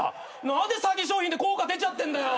何で詐欺商品で効果出ちゃってんだよ。